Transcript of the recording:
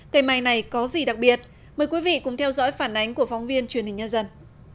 cây mai này có gì đặc biệt mời quý vị cùng theo dõi phản ánh của phóng viên truyền hình nhân dân